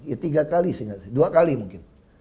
ya tiga kali sih dua kali mungkin